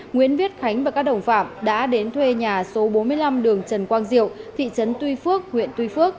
nguyễn viết khánh và các đồng phạm đã đến thuê nhà số bốn mươi năm đường trần quang diệu thị trấn tuy phước